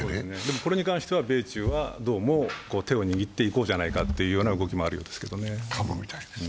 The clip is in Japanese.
これに関しては米中は手を握っていこうじゃないかという動きもあるみたいですけどね。